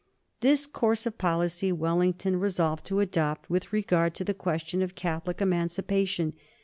This course of policy Wellington resolved to adopt with regard to the question of Catholic Emancipation.